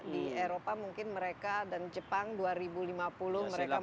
di eropa mungkin mereka dan jepang dua ribu lima puluh mereka